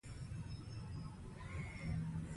د هوګو پر هنر به هغه څوک پوهېږي چې لوستی يې وي.